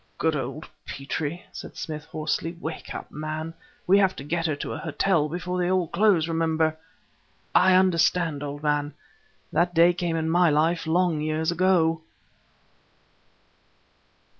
"Good old Petrie!" said Smith hoarsely. "Wake up, man; we have to get her to a hotel before they all close, remember. I understand, old man. That day came in my life long years ago!"